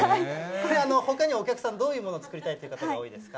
これ、ほかにお客さん、どういうもの作りたいという方が多いですか。